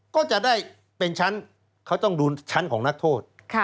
ก็จะได้เป็นชั้นเขาต้องดูชั้นของนักโทษ